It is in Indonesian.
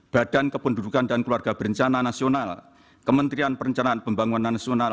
badan kependudukan dan keluarga berencana nasional kementerian perencanaan pembangunan nasional